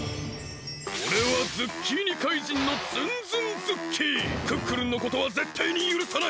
おれはズッキーニ怪人のクックルンのことはぜったいにゆるさない！